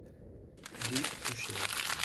Des plus chères.